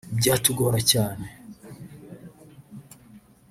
byatugora cyane